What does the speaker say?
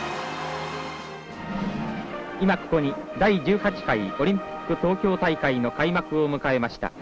今ここに、第１８回オリンピック東京大会の開幕を迎えました。